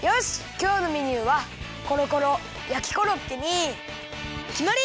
きょうのメニューはコロコロやきコロッケにきまり！